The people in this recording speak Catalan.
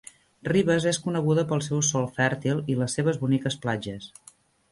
Rivas és coneguda pel seu sòl fèrtil i les seves boniques platges.